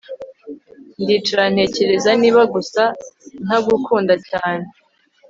ndicara ntekereza niba gusa ntagukunda cyane